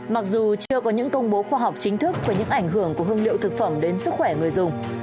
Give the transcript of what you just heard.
mặc dù chưa có những công bố khoa học chính thức về những ảnh hưởng của hương liệu thực phẩm đến sức khỏe người dùng